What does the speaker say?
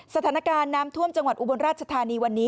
สถานการณ์น้ำท่วมจังหวัดอุบลราชธานีวันนี้